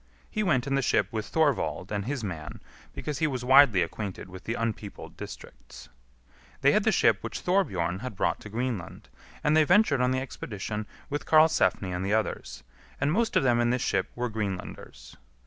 He went in the ship with Thorvald and his man, because he was widely acquainted with the unpeopled districts. They had the ship which Thorbjorn had brought to Greenland, and they ventured on the expedition with Karlsefni and the others; and most of them in this ship were Greenlanders.